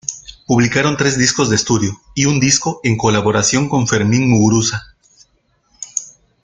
Publicaron tres discos de estudio y un disco en colaboración con Fermin Muguruza.